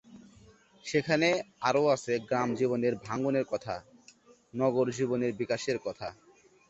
সেখানে আরও আছে গ্রাম জীবনের ভাঙনের কথা, নগর জীবনের বিকাশের কথা।